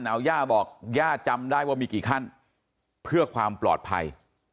เอาย่าบอกย่าจำได้ว่ามีกี่ขั้นเพื่อความปลอดภัย